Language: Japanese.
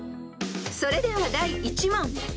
［それでは第１問］